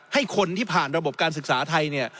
ให้คนที่ผ่านระบบการศึกษาไทยเนี่ย